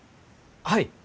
はい。